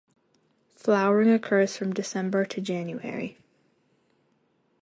Flowering occurs from December to January.